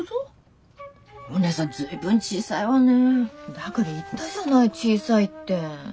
だから言ったじゃない小さいって。